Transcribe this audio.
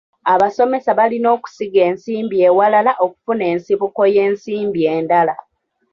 Abasomesa balina okusiga ensimbi ewalala okufuna ensibuko y'ensimbi endala.